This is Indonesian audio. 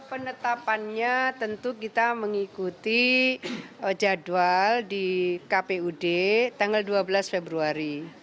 penetapannya tentu kita mengikuti jadwal di kpud tanggal dua belas februari